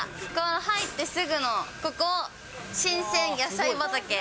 入ってすぐのここ、新鮮野菜畑。